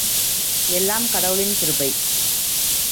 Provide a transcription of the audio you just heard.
எல்லாம் கடவுளின் கிருபை.